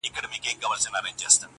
زما د نیکه ستا د ابا دا نازولی وطن!.